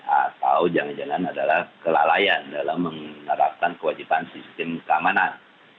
atau jangan jangan adalah kelalaian dalam menerapkan kewajiban sistem keamanan